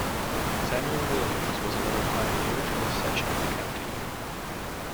Samuel Williams was another pioneer in this section of the county.